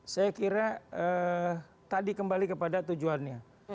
saya kira tadi kembali kepada tujuannya